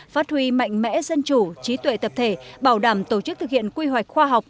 phát huy mạnh mẽ dân chủ trí tuệ tập thể bảo đảm tổ chức thực hiện quy hoạch khoa học